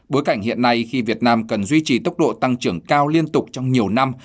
bối cảnh hiện nay khi việt nam cần duy trì tốc độ tăng trưởng cao liên tục trong nhiều năm